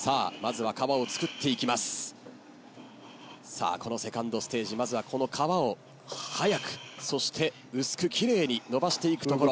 さあこの２ｎｄステージまずはこの皮を速くそして薄く奇麗にのばしていくところ。